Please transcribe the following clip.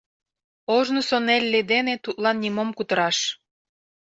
Ожнысо Нелли дене тудлан нимом кутыраш.